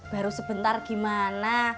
baru sebentar gimana